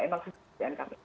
emang kebijakan kami